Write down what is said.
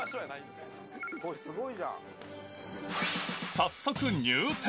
早速、入店。